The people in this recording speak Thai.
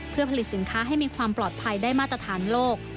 เพื่อผลิตสินค้าให้มีความปลอดภัยได้มาตรฐานโลก